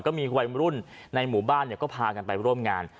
ก็มีวัยรุ่นในหมู่บ้านก็พากันไปร่วมงาน